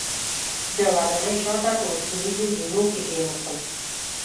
د ودانۍ شاته په اوسپنیزو زینو کې کیناستم.